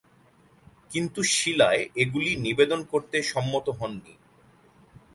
কিন্তু শিলায় এগুলি নিবেদন করতে সম্মত হননি।